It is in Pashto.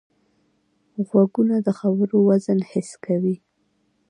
غوږونه د خبرو وزن حس کوي